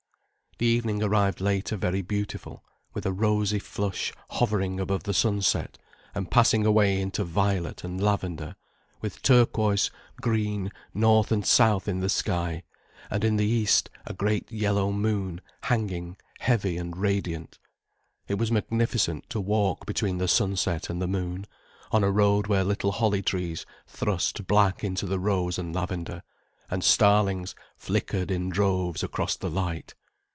The evening arrived later very beautiful, with a rosy flush hovering above the sunset, and passing away into violet and lavender, with turquoise green north and south in the sky, and in the east, a great, yellow moon hanging heavy and radiant. It was magnificent to walk between the sunset and the moon, on a road where little holly trees thrust black into the rose and lavender, and starlings flickered in droves across the light.